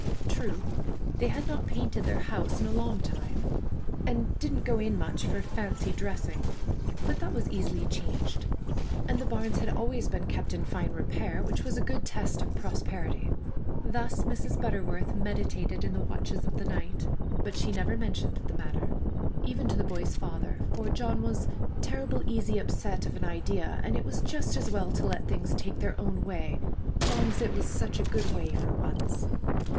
True, they had not painted their house in a long time, and didn't go in much for fancy dressing, but that was easily changed; and the barns had always been kept in fine repair, which was a good test of prosperity. Thus Mrs. Butterworth meditated in the watches of the night, but she never mentioned the matter, even to the boy's father, for John was "turrible easy upset of an idea, an' it was just as well to let things take their own way, 'long's it was sech a good way for once."